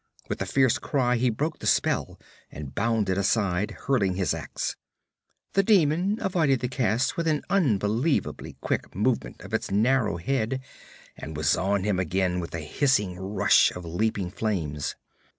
With a fierce cry he broke the spell and bounded aside, hurling his ax. The demon avoided the cast with an unbelievably quick movement of its narrow head and was on him again with a hissing rush of leaping flames.